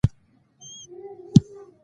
تر ما دمخه نور مسافر هم رسیدلي وو.